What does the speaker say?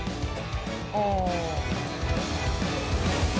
ああ。